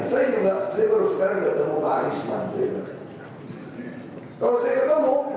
saya ingin menanyakan kepada anda